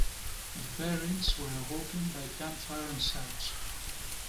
The Perrines were awoken by gunfire and shouts.